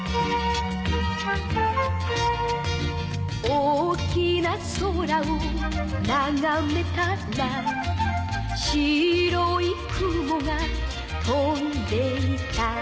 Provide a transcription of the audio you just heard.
「大きな空をながめたら」「白い雲が飛んでいた」